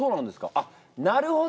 あっなるほど。